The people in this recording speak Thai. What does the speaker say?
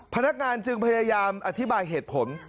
พนักงานจึงพยายามอธิบายเหตุผล